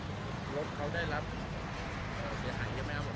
รถเขาได้รับเสียหังได้ไหมครับ